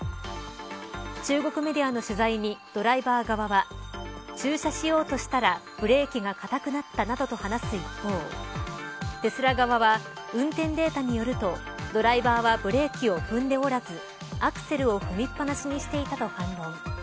中国メディアの取材にドライバー側は駐車しようとしたらブレーキが固くなったなどと話す一方テスラ側は、運転データによるとドライバーはブレーキを踏んでおらずアクセルを踏みっぱなしにしていたと反論